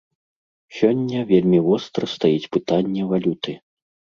Сёння вельмі востра стаіць пытанне валюты.